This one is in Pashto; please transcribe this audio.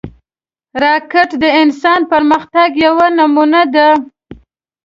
راکټ د انسان پرمختګ یوه نمونه ده